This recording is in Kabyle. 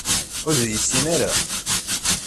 Ur d-iyi-yessin ara?